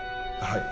はい。